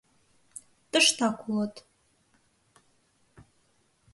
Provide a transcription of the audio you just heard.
Тыштак улыт.